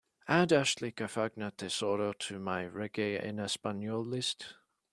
Add Ashley Cafagna Tesoro to my reggae en español list